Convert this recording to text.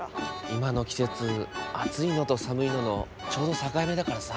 今の季節暑いのと寒いののちょうど境目だからさ。